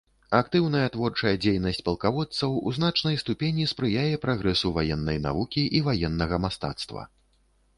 Актыўная творчая дзейнасць палкаводцаў у значнай ступені спрыяе прагрэсу ваеннай навукі і ваеннага мастацтва.